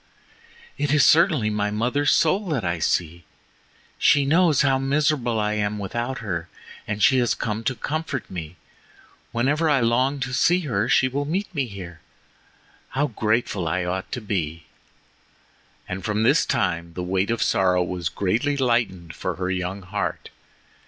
"It is certainly my mother's soul that I see. She knows how miserable I am without her and she has come to comfort me. Whenever I long to see her she will meet me here; how grateful I ought to be!" And from this time the weight of sorrow was greatly lightened for her young heart.